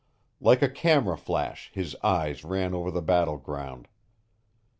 Like a camera flash his eyes ran over the battleground.